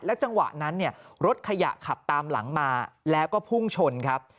จังหวะนั้นเนี่ยรถขยะขับตามหลังมาแล้วก็พุ่งชนครับ